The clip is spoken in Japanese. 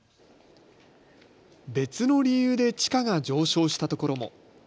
別の理由で地価が上昇したところも。